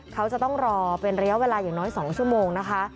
เขาจะต้องรอเป็นระยะเวลาอย่างน้อย๒ชั่วโมงนะคะ